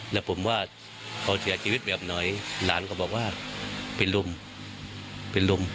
แล้วผมว่าเขาเสียชีวิตแบบไหนหลานก็บอกว่าเป็นลมเป็นลม